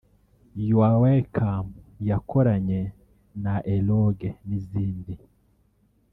You are welcome yakoranye na Eloge n'izindi